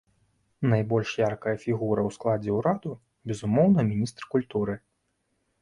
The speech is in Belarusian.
Найбольш яркая фігура ў складзе ўраду, безумоўна, міністр культуры.